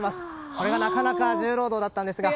これがなかなか重労働だったんですが。